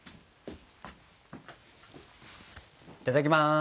いただきます。